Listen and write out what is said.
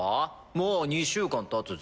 もう２週間たつぜ。